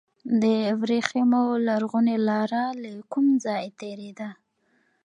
د وریښمو لرغونې لاره له کوم ځای تیریده؟